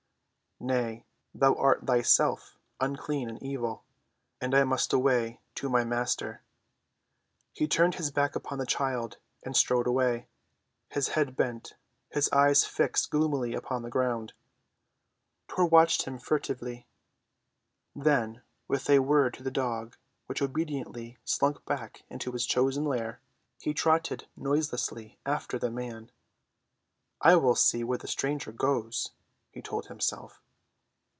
"Nay, thou art thyself unclean and evil, and I must away to my Master." He turned his back upon the child and strode away, his head bent, his eyes fixed gloomily upon the ground. Tor watched him furtively. Then, with a word to the dog, which obediently slunk back into his chosen lair, he trotted noiselessly after the man. "I will see where the stranger goes," he told himself.